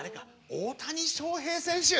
大谷翔平選手？